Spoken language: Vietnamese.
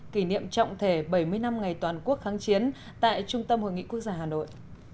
kỷ niệm trọng thể bảy mươi năm ngày toàn quốc kháng chiến tại trung tâm hội nghị quốc gia hà nội